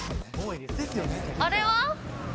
あれは？